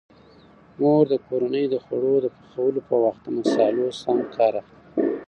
مور د کورنۍ د خوړو د پخولو په وخت د مصالحو سم کار اخلي.